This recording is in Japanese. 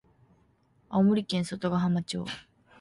青森県外ヶ浜町